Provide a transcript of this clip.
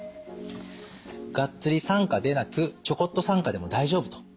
がっつり参加でなくちょこっと参加でも大丈夫と。